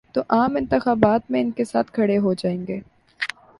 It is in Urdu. تو عام انتخابات میں ان کے ساتھ کھڑے ہو جائیں گے۔